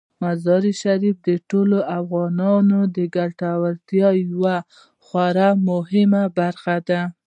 مزارشریف د ټولو افغانانو د ګټورتیا یوه خورا مهمه برخه ده.